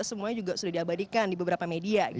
semuanya juga sudah diabadikan di beberapa media